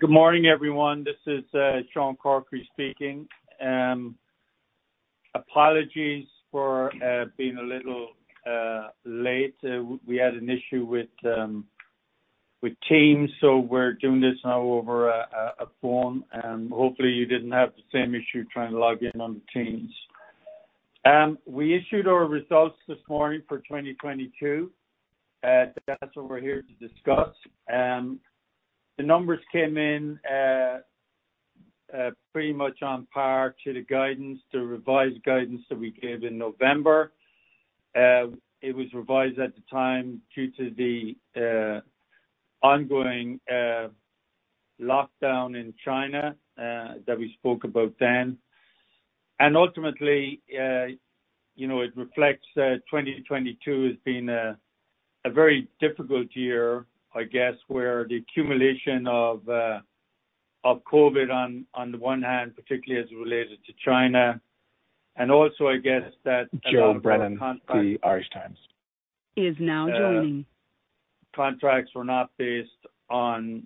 Good morning, everyone. This is Sean Corkery speaking. Apologies for being a little late. We had an issue with Teams, so we're doing this now over a phone, and hopefully you didn't have the same issue trying to log in on the Teams. We issued our results this morning for 2022. That's what we're here to discuss. The numbers came in pretty much on par to the guidance, the revised guidance that we gave in November. It was revised at the time due to the ongoing lockdown in China that we spoke about then. Ultimately, you know, it reflects 2022 as being a very difficult year, I guess, where the accumulation of COVID on the one hand, particularly as it related to China, and also I guess contracts were not based on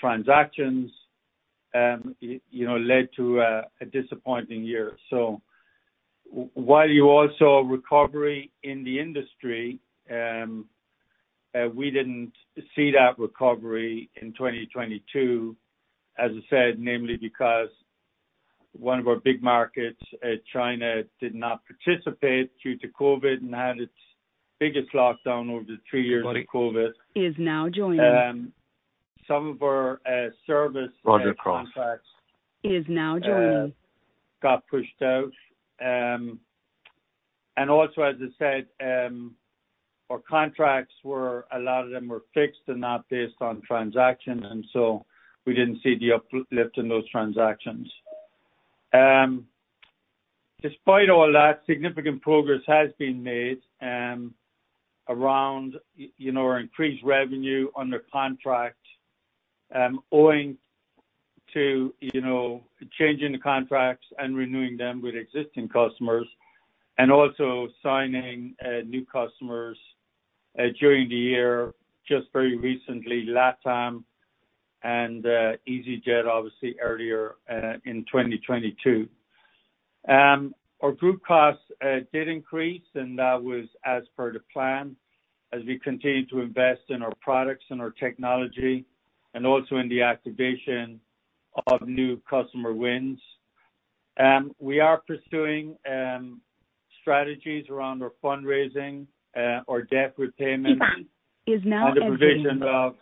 transactions, you know, led to a disappointing year. While you also recovery in the industry, we didn't see that recovery in 2022, as I said, namely because one of our big markets, China, did not participate due to COVID and had its biggest lockdown over the 3 years of COVID. Some of our service contracts got pushed out. Also, as I said, our contracts were—a lot of them were fixed and not based on transactions, and so we didn't see the up-lift in those transactions. Despite all that, significant progress has been made, around, you know, our increased revenue under contract, owing to, you know, changing the contracts and renewing them with existing customers and also signing new customers during the year, just very recently, LATAM and easyJet obviously earlier in 2022. Our group costs did increase and that was as per the plan as we continue to invest in our products and our technology and also in the activation of new customer wins. We are pursuing strategies around our fundraising, our debt repayment. The provision of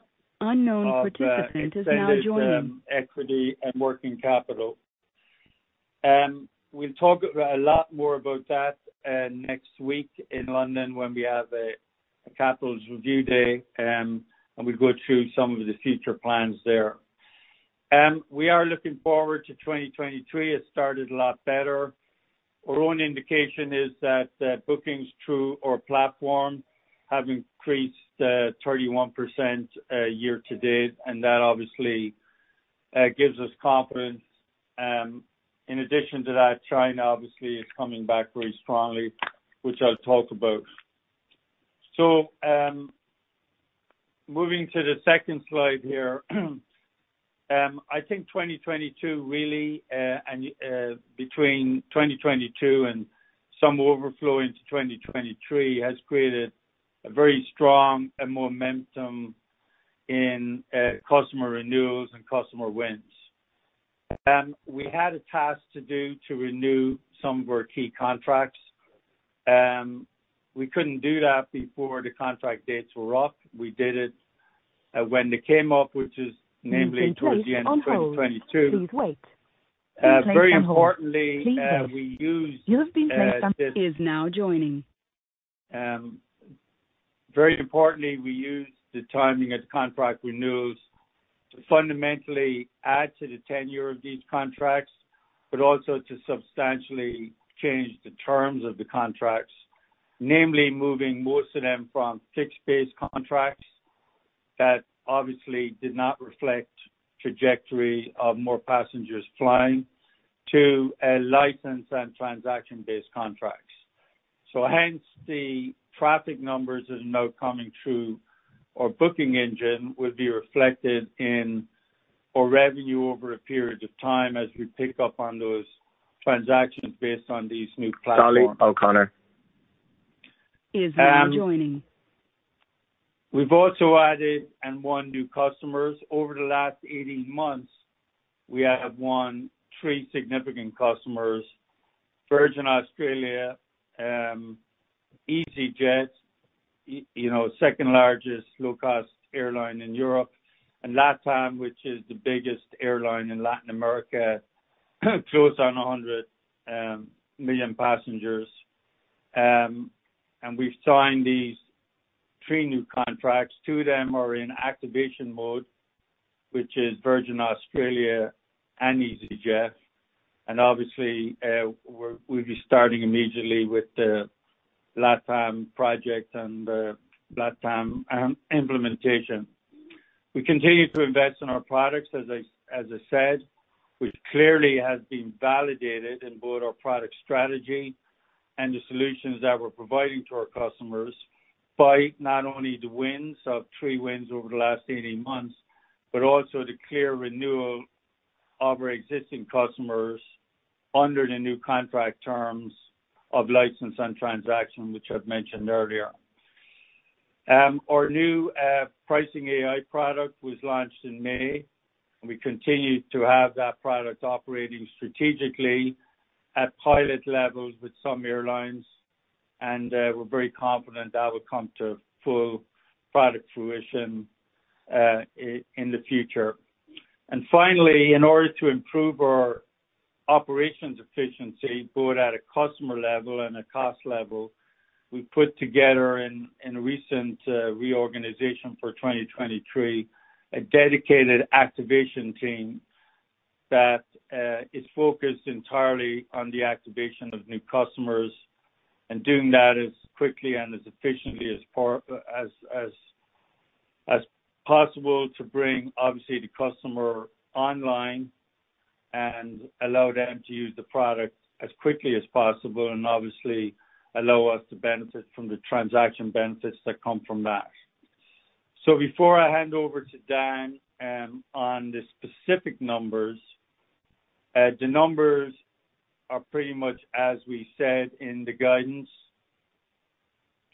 extended equity and working capital. We'll talk a lot more about that next week in London when we have a capitals review day, and we'll go through some of the future plans there. We are looking forward to 2023. It started a lot better. Our own indication is that bookings through our platform have increased 31% year to date, and that obviously gives us confidence. In addition to that, China obviously is coming back very strongly, which I'll talk about. Moving to the second slide here. I think 2022 really, and between 2022 and some overflow into 2023 has created a very strong momentum in customer renewals and customer wins. We had a task to do to renew some of our key contracts. We couldn't do that before the contract dates were up. We did it when they came up, which is namely towards the end of 2022. Very importantly, we used the timing of the contract renewals to fundamentally add to the tenure of these contracts, but also to substantially change the terms of the contracts, namely moving most of them from fixed-based contracts that obviously did not reflect trajectory of more passengers flying, to license and transaction-based contracts. Hence the traffic numbers is now coming through our booking engine will be reflected in our revenue over a period of time as we pick up on those transactions based on these new platforms. We've also added and won new customers. Over the last 18 months, we have won three significant customers: Virgin Australia, easyJet, you know, second largest low-cost airline in Europe, and LATAM, which is the biggest airline in Latin America, close on 100 million passengers. We've signed these three new contracts. Two of them are in activation mode, which is Virgin Australia and easyJet. Obviously, we'll be starting immediately with the LATAM project and the LATAM implementation. We continue to invest in our products, as I said, which clearly has been validated in both our product strategy and the solutions that we're providing to our customers. By not only the wins of three wins over the last 18 months, but also the clear renewal of our existing customers under the new contract terms of license and transaction, which I've mentioned earlier. Our new Pricing AI product was launched in May, and we continue to have that product operating strategically at pilot levels with some airlines, and we're very confident that will come to full product fruition in the future. Finally, in order to improve our operations efficiency, both at a customer level and a cost level, we put together in a recent reorganization for 2023 a dedicated activation team that is focused entirely on the activation of new customers and doing that as quickly and as efficiently as possible to bring obviously the customer online and allow them to use the product as quickly as possible and obviously allow us to benefit from the transaction benefits that come from that. Before I hand over to Dan, on the specific numbers, the numbers are pretty much as we said in the guidance.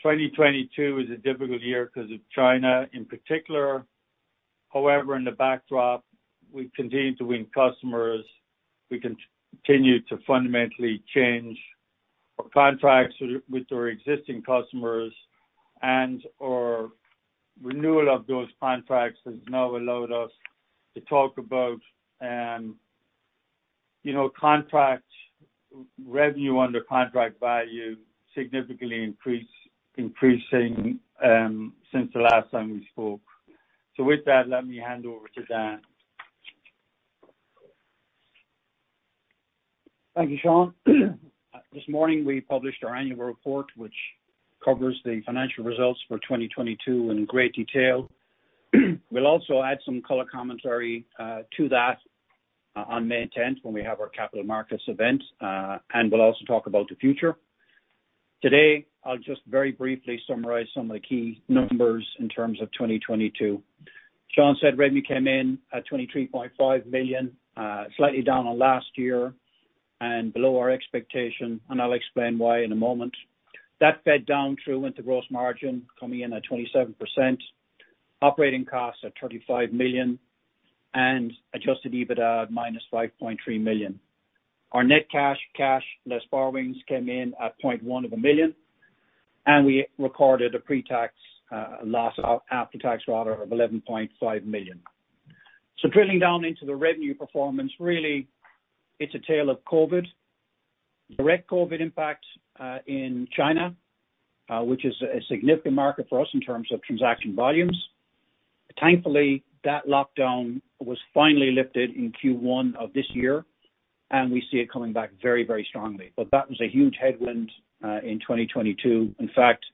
2022 is a difficult year 'cause of China in particular. However, in the backdrop, we continue to win customers. We continue to fundamentally change our contracts with our existing customers. Our renewal of those contracts has now allowed us to talk about, you know, revenue under contract value, significantly increasing since the last time we spoke. With that, let me hand over to Dan. Thank you, Sean. This morning we published our annual report, which covers the financial results for 2022 in great detail. We'll also add some color commentary on May 10th when we have our Capital Markets Event, and we'll also talk about the future. Today, I'll just very briefly summarize some of the key numbers in terms of 2022. Sean said revenue came in at $23.5 million, slightly down on last year and below our expectation, and I'll explain why in a moment. That fed down through into gross margin coming in at 27%, operating costs at $35 million, and Adjusted EBITDA at -$5.3 million. Our net cash less borrowings came in at $0.1 million, and we recorded a pre-tax after-tax rather of $11.5 million. Drilling down into the revenue performance, really it's a tale of COVID. Direct COVID impact in China, which is a significant market for us in terms of transaction volumes. Thankfully, that lockdown was finally lifted in Q1 of this year, and we see it coming back very, very strongly. That was a huge headwind in 2022. In fact,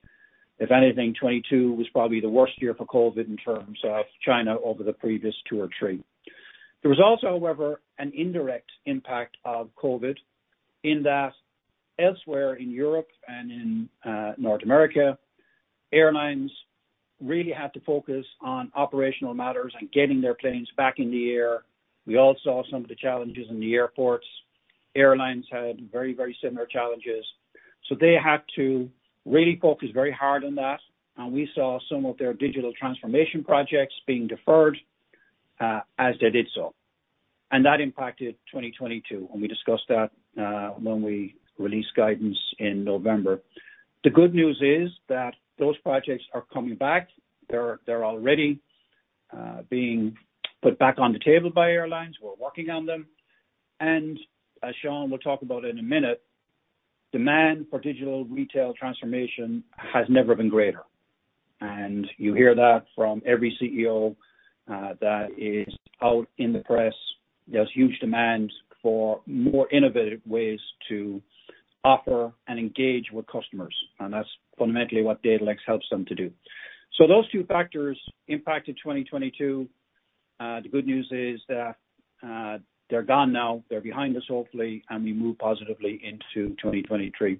if anything, 2022 was probably the worst year for COVID in terms of China over the previous two or three. There was also, however, an indirect impact of COVID in that elsewhere in Europe and in North America, airlines really had to focus on operational matters and getting their planes back in the air. We all saw some of the challenges in the airports. Airlines had very, very similar challenges, so they had to really focus very hard on that. We saw some of their digital transformation projects being deferred as they did so. That impacted 2022, and we discussed that when we released guidance in November. The good news is that those projects are coming back. They're already being put back on the table by airlines who are working on them. As Sean will talk about in a minute, demand for digital retail transformation has never been greater. You hear that from every CEO that is out in the press. There's huge demand for more innovative ways to offer and engage with customers, and that's fundamentally what Datalex helps them to do. Those two factors impacted 2022. The good news is that they're gone now, they're behind us hopefully, and we move positively into 2023.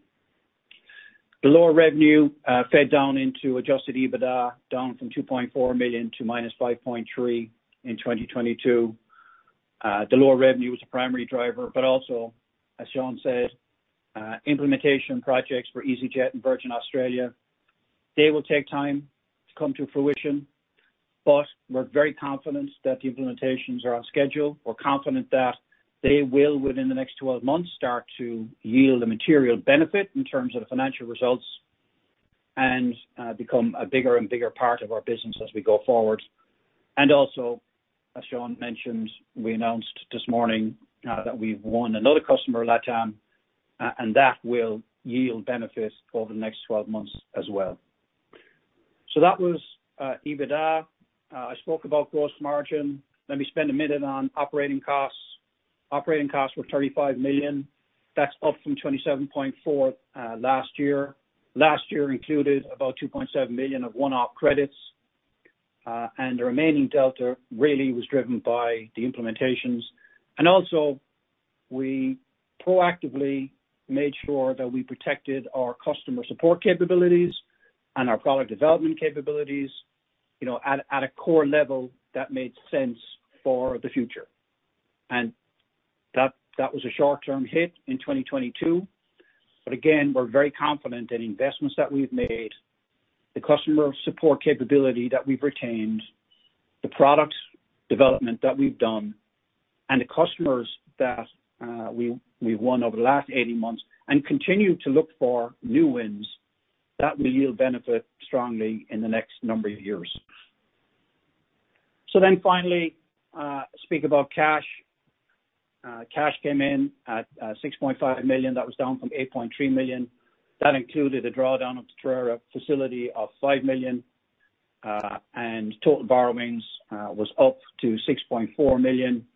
The lower revenue fed down into Adjusted EBITDA down from $2.4 million to -$5.3 million in 2022. The lower revenue was the primary driver, also, as Sean said, implementation projects for easyJet and Virgin Australia, they will take time to come to fruition. We're very confident that the implementations are on schedule. We're confident that they will, within the next 12 months, start to yield a material benefit in terms of the financial results and become a bigger and bigger part of our business as we go forward. Also, as Sean mentioned, we announced this morning that we've won another customer, LATAM, and that will yield benefits over the next 12 months as well. That was EBITDA. I spoke about gross margin. Let me spend a minute on operating costs. Operating costs were $35 million. That's up from $27.4 million last year. Last year included about $2.7 million of one-off credits. The remaining delta really was driven by the implementations. Also, we proactively made sure that we protected our customer support capabilities and our product development capabilities, you know, at a core level that made sense for the future. That was a short-term hit in 2022. Again, we're very confident in investments that we've made, the customer support capability that we've retained, the product development that we've done, and the customers that we've won over the last 18 months and continue to look for new wins that will yield benefit strongly in the next number of years. Finally, speak about cash. Cash came in at $6.5 million, that was down from $8.3 million. That included a drawdown of the Tireragh facility of $5 million, total borrowings was up to $6.4 million.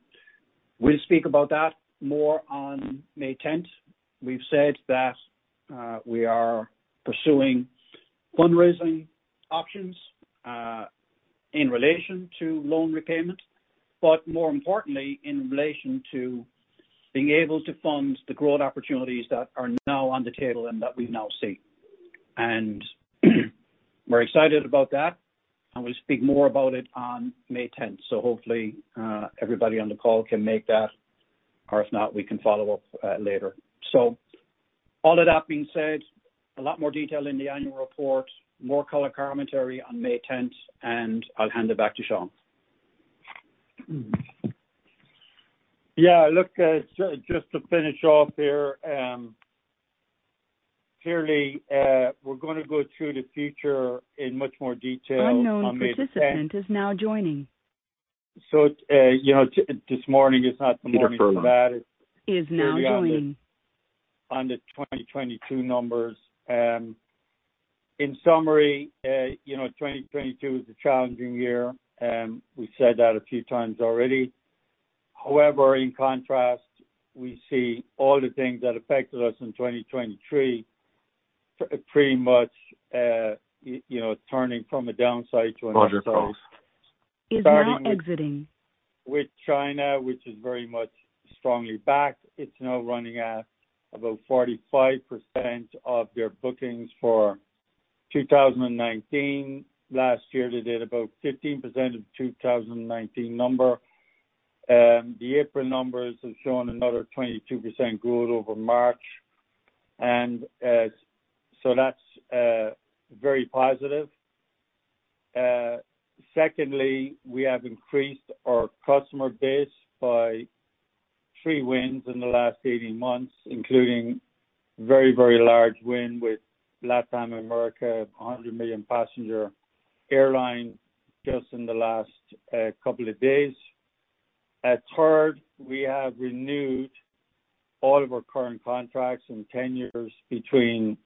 We'll speak about that more on May 10th. We've said that we are pursuing fundraising options in relation to loan repayment, more importantly, in relation to being able to fund the growth opportunities that are now on the table and that we now see. We're excited about that, we'll speak more about it on May 10th. Hopefully, everybody on the call can make that, or if not, we can follow up later. All of that being said, a lot more detail in the annual report, more color commentary on May 10th, I'll hand it back to Sean. Yeah. Look, just to finish off here, clearly, we're gonna go through the future in much more detail on May tenth. You know, this morning is not the morning for that on the 2022 numbers. In summary, you know, 2022 was a challenging year, we said that a few times already. In contrast, we see all the things that affected us in 2023 pretty much, you know, turning from a downside to an upside. Starting with China, which is very much strongly back. It's now running at about 45% of their bookings for 2019. Last year, they did about 15% of 2019 number. The April numbers have shown another 22% growth over March. So that's very positive. Secondly, we have increased our customer base by three wins in the last 18 months, including very, very large win with LATAM, a 100 million passenger airline, just in the last couple of days. Third, we have renewed all of our current contracts in 10 years between,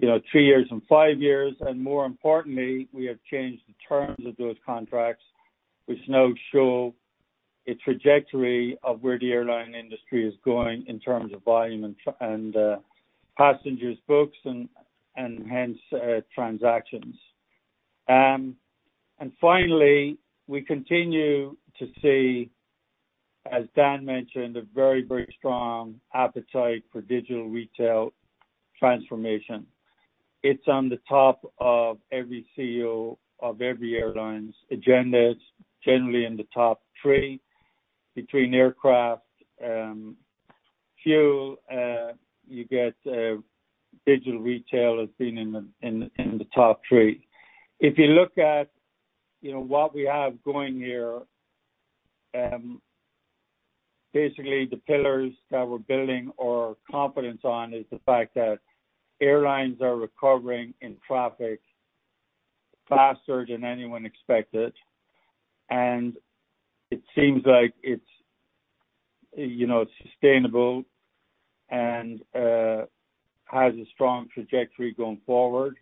you know, three years and five years. More importantly, we have changed the terms of those contracts, which now show a trajectory of where the airline industry is going in terms of volume and passengers books and hence, transactions. Finally, we continue to see, as Dan mentioned, a very, very strong appetite for digital retail transformation. It's on the top of every CEO of every airline's agendas, generally in the top three between aircraft, fuel, you get, digital retail has been in the top three. If you look at, you know, what we have going here, basically the pillars that we're building our confidence on is the fact that airlines are recovering in traffic faster than anyone expected, and it seems like it's, you know, sustainable and has a strong trajectory going forward.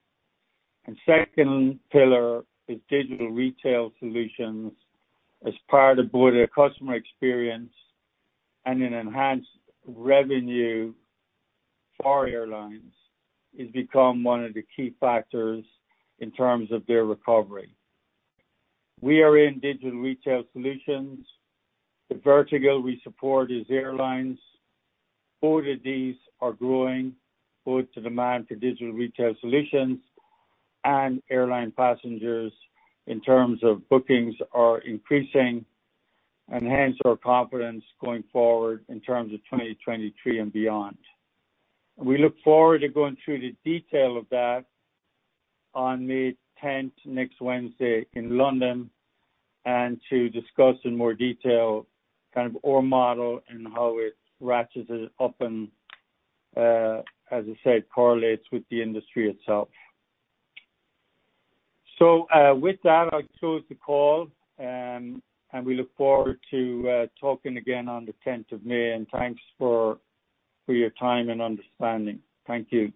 Second pillar is digital retail solutions as part of broader customer experience and an enhanced revenue for airlines, has become one of the key factors in terms of their recovery. We are in digital retail solutions. The vertical we support is airlines. Both of these are growing, both the demand for digital retail solutions and airline passengers in terms of bookings are increasing, and hence our confidence going forward in terms of 2023 and beyond. We look forward to going through the detail of that on May 10th, next Wednesday in London, and to discuss in more detail kind of our model and how it ratchets it up and, as I said, correlates with the industry itself. With that, I'll close the call, and we look forward to talking again on the 10th of May. Thanks for your time and understanding. Thank you.